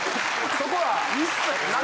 そこは。